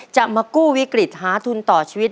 จะมากู้วิกฤตหาทุนต่อชีวิต